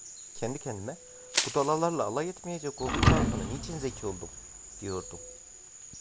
Kendi kendime: "Budalalarla alay etmeyecek olduktan sonra niçin zeki oldum?" diyordum.